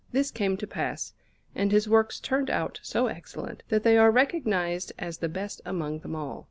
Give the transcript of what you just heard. This came to pass; and his works turned out so excellent, that they are recognized as the best among them all.